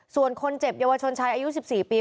ส่วนคนเจ็บเยาวชนชายอายุ๑๔ปี